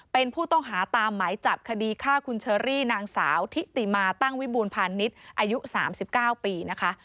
เป็นผู้ต้องหาตามหมายจับคดีฆ่าคุณเชอรี่นางสาวทิติมาตั้งวิบูรพาณิชย์อายุ๓๙ปีนะคะ